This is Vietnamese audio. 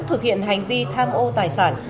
thực hiện hành vi tham ô tài sản